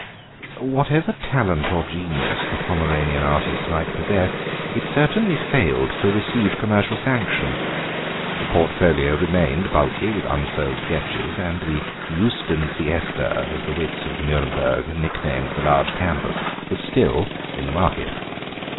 Whatever talent or genius the Pomeranian artist might possess, it certainly failed to receive commercial sanction. The portfolio remained bulky with unsold sketches, and the "Euston Siesta," as the wits of the Nuremberg nicknamed the large canvas, was still in the market.